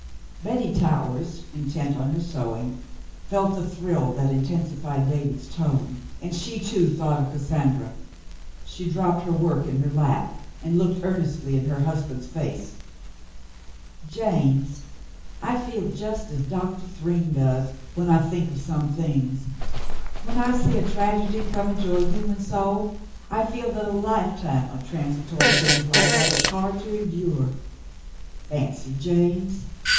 Betty Towers, intent on her sewing, felt the thrill that intensified David's tone, and she, too, thought of Cas sandra. She dropped her work in her lap and looked earnestly in her husband's face. "James, I feel just as Doctor Thryng does — when I think of some things. When I see a tragedy coming to a human soul, I feel that a lifetime of transitory things like that is hard to endure. Fancy, James